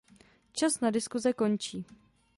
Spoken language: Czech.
Čas na diskuse končí.